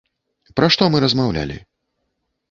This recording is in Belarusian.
Пра што мы размаўлялі?